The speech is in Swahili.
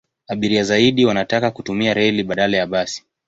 Abiria zaidi wanataka kutumia reli badala ya basi.